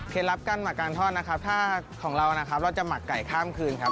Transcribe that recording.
ลับการหมักการทอดนะครับถ้าของเรานะครับเราจะหมักไก่ข้ามคืนครับ